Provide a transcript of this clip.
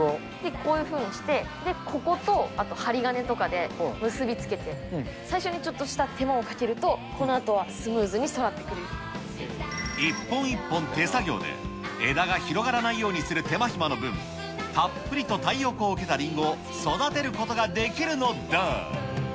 こういうふうにして、ここと針金とかで結び付けて、最初にちょっとした手間をかけると、このあとはスムーズに育って一本一本手作業で、枝が広がらないようにする手間暇の分、たっぷりと太陽光を受けたりんごを育てることができるのだ。